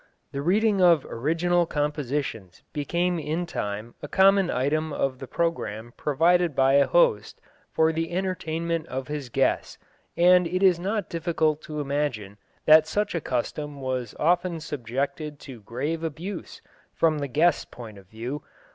This reading of original compositions became in time a common item of the programme provided by a host for the entertainment of his guests, and it is not difficult to imagine that such a custom was often subjected to grave abuse, from the guests' point of view.